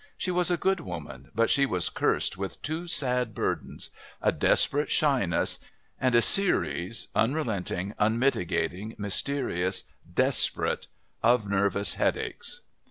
She was a good woman, but she was cursed with two sad burdens a desperate shyness and a series, unrelenting, unmitigating, mysterious, desperate, of nervous headaches.